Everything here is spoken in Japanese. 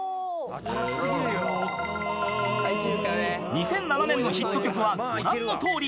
［２００７年のヒット曲はご覧のとおり］